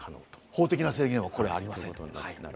法的な制限はありません。